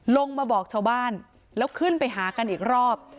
ลงมาบอกชาวบ้านแล้วขึ้นไปหากันอีกรอบ